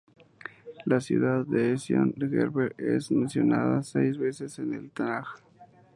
La ciudad de Ezión-geber es mencionada seis veces en el Tanaj.